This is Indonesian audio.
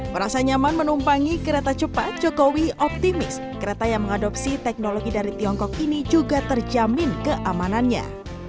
merasa nyaman menumpangi kereta cepat jokowi optimis kereta yang mengadopsi teknologi dari tiongkok ini juga terjamin keamanannya